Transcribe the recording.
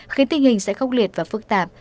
khiến tình hình sẽ khốc liệt và phức tạp